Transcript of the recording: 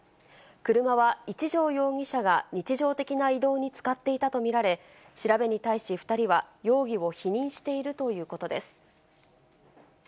車は一條容疑者が日常的な移動に使っていたと見られ、調べに対し、２人は容疑を否認しているということです。